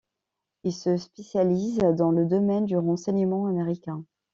Il se spécialise dans le domaine du renseignement américain.